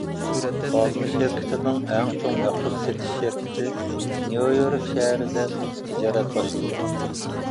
ئالما شىركىتىنىڭ ئەڭ چوڭ مەخسۇس سېتىش شىركىتى نيۇ يورك شەھىرىدە تىجارەت باشلىدى.